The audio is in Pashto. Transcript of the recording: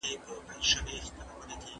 اقتصادي پرمختيا د هېواد د وقار سبب ګرځي.